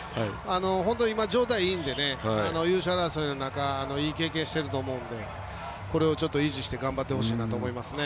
本当、今、状態いいので優勝争いの中いい経験をしてると思うのでこれを維持して頑張ってほしいなと思いますね。